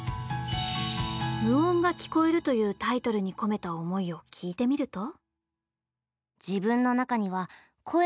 「無音が聴こえる」というタイトルに込めた思いを聞いてみると。